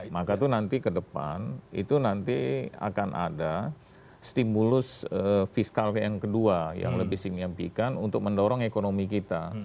maka itu nanti ke depan itu nanti akan ada stimulus fiskal yang kedua yang lebih signifikan untuk mendorong ekonomi kita